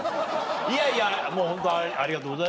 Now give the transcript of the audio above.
いやいやもうホントありがとうございます。